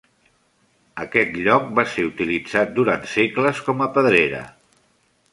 Aquest lloc va ser utilitzat durant segles com a pedrera.